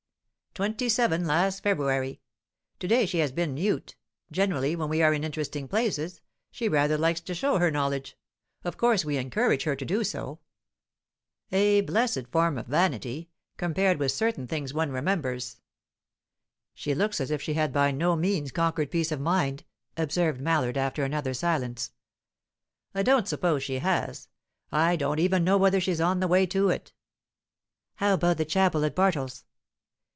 "Twenty seven, last February. To day she has been mute; generally, when we are in interesting places, she rather likes to show her knowledge of course we encourage her to do so. A blessed form of vanity, compared with certain things one remembers!" "She looks as if she had by no means conquered peace of mind," observed Mallard, after another silence. "I don't suppose she has. I don't even know whether she's on the way to it." "How about the chapel at Bartles?"